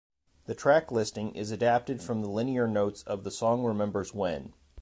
The track listing is adapted from the liner notes of "The Song Remembers When".